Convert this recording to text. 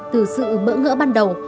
từ sự mỡ ngỡ ban đầu